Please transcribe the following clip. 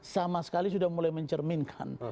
sama sekali sudah mulai mencerminkan